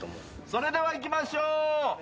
それではいきましょう。